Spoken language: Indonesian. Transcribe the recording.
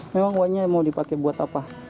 memang uangnya mau dipakai buat apa